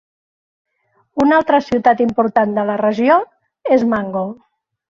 Una altra ciutat important de la regió és Mango.